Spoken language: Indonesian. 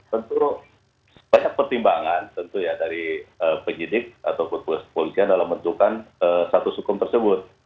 tentu banyak pertimbangan dari penyidik atau polisi dalam menentukan status hukum tersebut